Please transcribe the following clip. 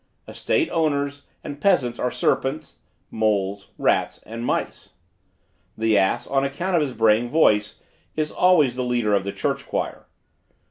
Estate owners and peasants are serpents, moles, rats and mice. The ass, on account of his braying voice, is always the leader of the church choir.